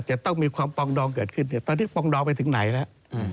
จะต้องมีความปองดองเกิดขึ้นตอนนี้ปองดองไปถึงไหนแล้ว